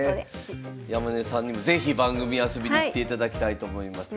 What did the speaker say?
山根さんにも是非番組遊びに来ていただきたいと思います。